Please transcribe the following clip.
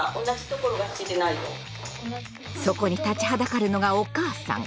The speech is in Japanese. そこに立ちはだかるのがお母さん。